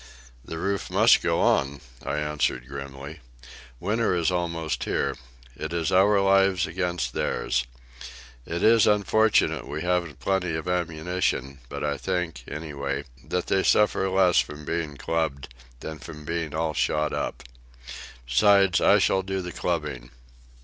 "That roof must go on," I answered grimly. "Winter is almost here. It is our lives against theirs. It is unfortunate we haven't plenty of ammunition, but I think, anyway, that they suffer less from being clubbed than from being all shot up. Besides, I shall do the clubbing."